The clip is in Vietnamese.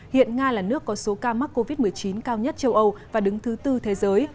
hiện nga là nước có số ca mắc covid một mươi chín cao nhất châu âu và đứng thứ tư thế giới